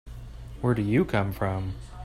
Where do you come from?